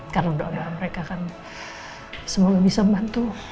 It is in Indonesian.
karena doa mereka kan semoga bisa membantu